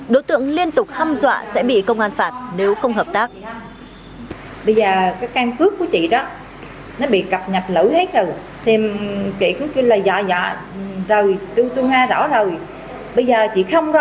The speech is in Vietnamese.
đối tượng liên tục hâm dọa sẽ bị công an phạt nếu không hợp tác